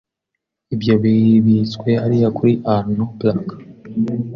Ibyo bibitswe hariya kuri Arnobrück